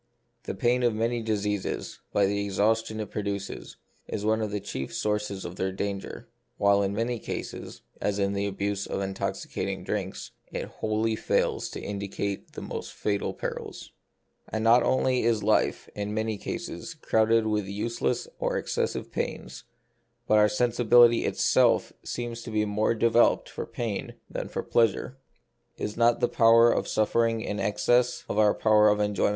The pain of many diseases, by the exhaustion it produces, is one of the chief sources of their danger ; while in many cases, as in the abuse of intoxicating drinks, it wholly fails to indi cate the most fatal perils. And not only is life, in many cases, crowded with useless or excessive pains, but our sensi bility itself seems to be more developed for pain than for pleasure.